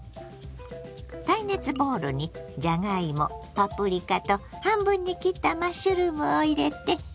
耐熱ボウルにじゃがいもパプリカと半分に切ったマッシュルームを入れて。